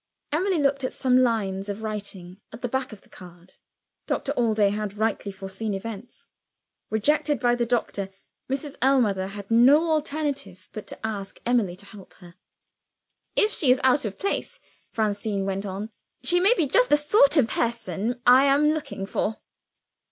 Emily looked at some lines of writing at the back of the card. Doctor Allday had rightly foreseen events. Rejected by the doctor, Mrs. Ellmother had no alternative but to ask Emily to help her. "If she is out of place," Francine went on, "she may be just the sort of person I am looking for."